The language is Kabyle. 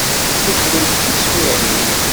Beddlent teswiɛin.